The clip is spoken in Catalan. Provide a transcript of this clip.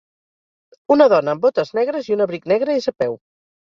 Una dona amb botes negres i un abric negre és a peu.